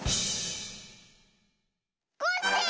コッシー！